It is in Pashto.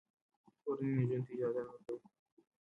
کورنۍ نجونو ته اجازه نه ورکوي.